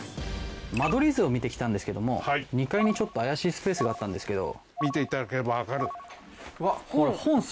間取り図を見てきたんですけども２階にちょっと怪しいスペースがあったんですけど。